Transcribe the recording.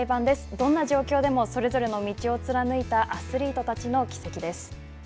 どんな状況でもそれぞれの道を貫いたアスリートたちの軌跡です。